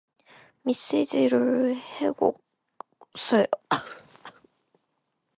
메시지를 해독했어요.